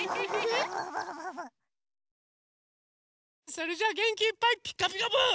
それじゃあげんきいっぱい「ピカピカブ！」